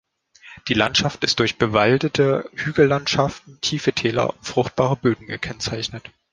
Die Landschaft ist durch bewaldete Hügellandschaften, tiefe Täler und fruchtbare Böden gekennzeichnet.